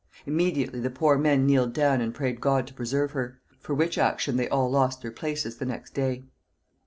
Immediately the poor men kneeled down and prayed God to preserve her; for which action they all lost their places the next day.